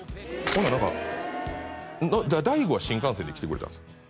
ほんなら何か大悟は新幹線で来てくれたんですよ